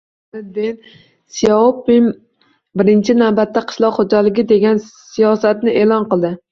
Xitoy rahbari Den Syaopin «Birinchi navbatda qishloq xo‘jaligi» degan siyosatni e’lon qildi.